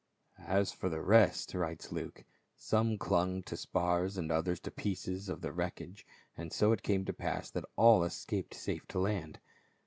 "As for the rest," writes Luke, "some clung to spars, and others to pieces of the wreckage ; and so it came to pass, that all escaped safe to land."